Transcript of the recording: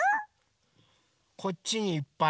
こっちにいっぱい。